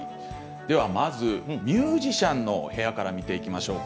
まずミュージシャンの部屋から見ていきましょう。